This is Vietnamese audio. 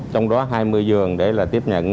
trong đó hai mươi giường để tiếp nhận